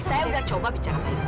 saya udah coba bicara baik baik